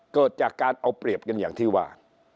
เกิดจากการเอาเปรียบกันอย่างที่ว่า